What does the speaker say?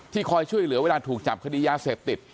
คอยช่วยเหลือเวลาถูกจับคดียาเสพติด